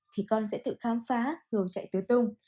thì con sẽ tự khám phá hướng chạy tứa tung